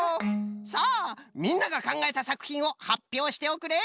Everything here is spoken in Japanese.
さあみんながかんがえたさくひんをはっぴょうしておくれ！